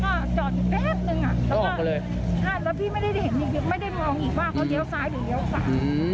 ก็จอดอยู่แป๊บนึงแล้วก็ใช่แล้วพี่ไม่ได้เห็นอีกไม่ได้มองอีกว่าเขาเลี้ยวซ้ายหรือเลี้ยวขวา